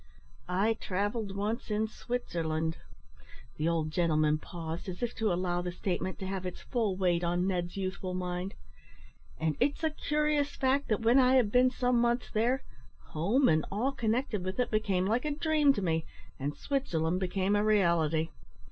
I travelled once in Switzerland ," (the old gentleman paused, as if to allow the statement to have its full weight on Ned's youthful mind,) "and it's a curious fact, that when I had been some months there, home and all connected with it became like a dream to me, and Switzerland became a reality.